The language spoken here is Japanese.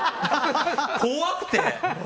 怖くて。